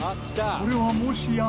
これはもしや？